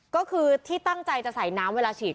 ก็คือที่ตั้งใจจะใส่น้ำเวลาฉีด